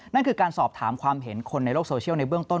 นั่นคือการสอบถามความเห็นคนในโลกโซเชียลในเบื้องต้น